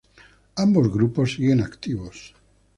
Ambos grupos siguen activos.